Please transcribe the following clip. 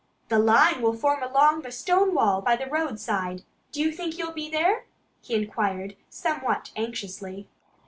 "The line will form along the stone wall by the roadside. ... Do you think you'll be there?" he inquired somewhat anxiously.